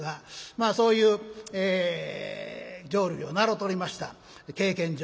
まあそういう浄瑠璃を習うておりました経験上。